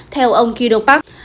theo ông kido park